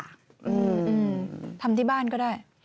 อืมทำที่บ้านก็ได้